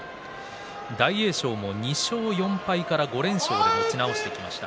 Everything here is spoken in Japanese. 大栄翔も２勝４敗から５連勝で持ち直してきました。